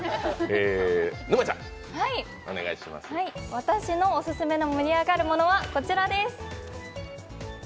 私のオススメの盛り上がるものはこちらです。